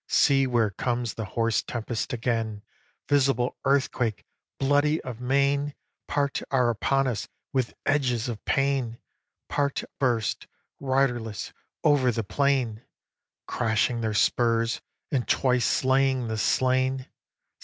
See where comes the horse tempest again, Visible earthquake, bloody of mane! Part are upon us, with edges of pain; Part burst, riderless, over the plain, Crashing their spurs, and twice slaying the slain.